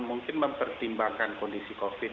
mungkin mempertimbangkan kondisi covid sembilan belas